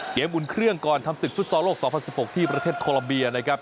อุ่นเครื่องก่อนทำศึกฟุตซอลโลก๒๐๑๖ที่ประเทศโคลัมเบียนะครับ